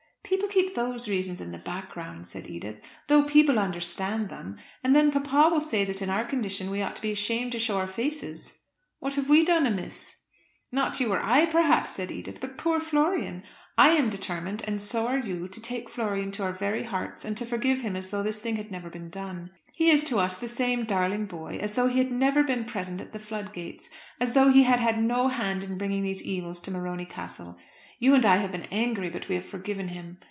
"People keep those reasons in the background," said Edith, "though people understand them. And then papa will say that in our condition we ought to be ashamed to show our faces." "What have we done amiss?" "Not you or I perhaps," said Edith; "but poor Florian. I am determined, and so are you, to take Florian to our very hearts, and to forgive him as though this thing had never been done. He is to us the same darling boy, as though he had never been present at the flood gates; as though he had had no hand in bringing these evils to Morony Castle. You and I have been angry, but we have forgiven him.